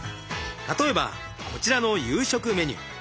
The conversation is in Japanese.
例えばこちらの夕食メニュー。